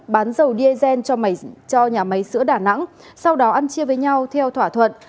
bán dầu diesel cho nhà máy sữa đà nẵng sau đó ăn chia với nhau theo thỏa thuận